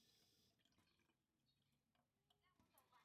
长的草里是不去的，因为相传这园里有一条很大的赤练蛇